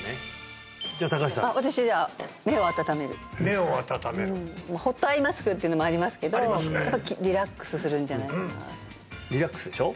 じゃあ高橋さん私じゃあ目を温めるホットアイマスクっていうのもありますけどやっぱリラックスするんじゃないかなとリラックスでしょ？